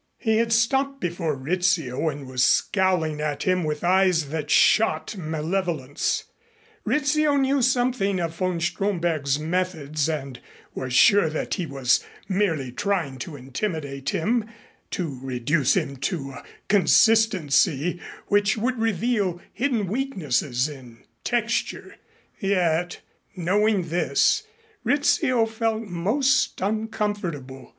He had stopped before Rizzio and was scowling at him with eyes that shot malevolence. Rizzio knew something of von Stromberg's methods and was sure that he was merely trying to intimidate him, to reduce him to a consistency which would reveal hidden weaknesses in texture; yet, knowing this, Rizzio felt most uncomfortable.